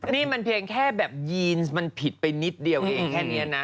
นี่มันเพียงแค่กับใช้ยีนซ์พิษไปนิดเดียวเองแค่เนี้ยนะ